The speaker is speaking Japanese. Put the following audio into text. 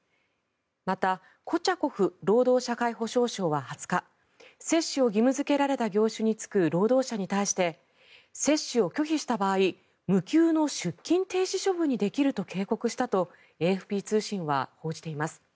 また、コチャコフ労働社会保障相は２０日接種を義務付けられた業種に就く労働者に対して接種を拒否した場合無給の出勤停止処分にできると警告したとＡＦＰ通信は報じています。